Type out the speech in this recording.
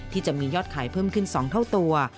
ที่จะมียอดขายเพิ่มขึ้น๒เท่าตัว